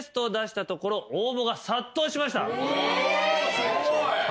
すごい。